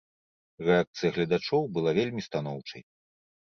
Рэакцыя гледачоў была вельмі станоўчай.